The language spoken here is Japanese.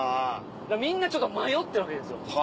みんなちょっと迷ってるわけですよ。